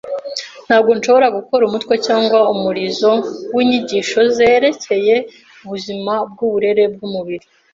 Ntabwo nshobora gukora umutwe cyangwa umurizo w'inyigisho ze zerekeye ubuzima n'uburere bw'umubiri.